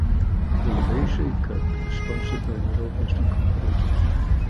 The Lebaishi Cup is sponsored by the Robust Incorporated.